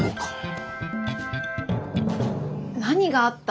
何があった？